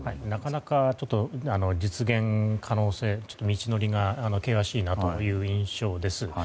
なかなか実現可能性道のりが険しいなという印象です。